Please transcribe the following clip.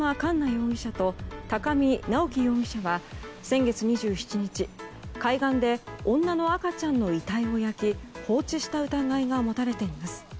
容疑者と高見直輝容疑者は先月２７日海岸で女の赤ちゃんの遺体を焼き放置した疑いが持たれています。